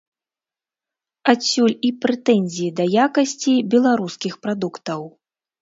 Адсюль і прэтэнзіі да якасці беларускіх прадуктаў.